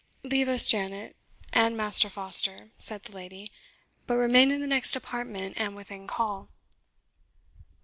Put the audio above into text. "Leave us, Janet, and Master Foster," said the lady; "but remain in the next apartment, and within call."